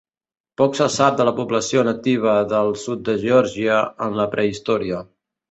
Poc se sap de la població nativa del sud de Geòrgia en la prehistòria.